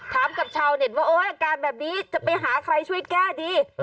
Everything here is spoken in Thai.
ถามกับชาวเน็ตว่าโอ๊ยอาการแบบนี้จะไปหาใครช่วยแก้ดี